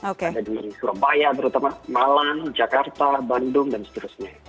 ada di surabaya terutama malang jakarta bandung dan seterusnya